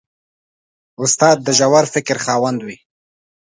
استاد د ژور فکر خاوند وي.